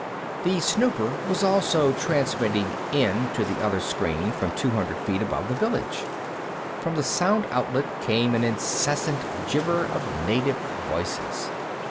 The snooper was also transmitting in, to another screen, from two hundred feet above the village. From the sound outlet came an incessant gibber of native voices.